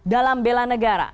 dalam bela negara